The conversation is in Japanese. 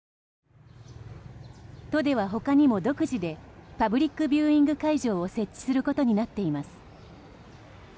都では他にも独自でパブリックビューイング会場を設置することになっています。